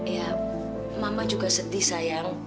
ya mama juga sedih sayang